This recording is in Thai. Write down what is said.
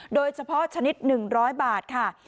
โดยเฉพาะชนิด๑๐๐บาทค่ะ